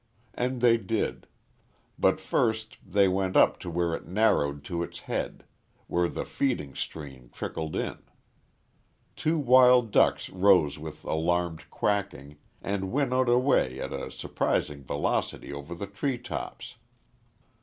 And they did; but first they went up it to where it narrowed to its head, where the feeding stream trickled in. Two wild ducks rose with alarmed quacking, and winnowed away at a surprising velocity over the tree tops.